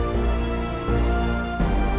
aku akan selalu mencintai kamu